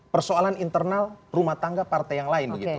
persoalan internal rumah tangga partai yang lain begitu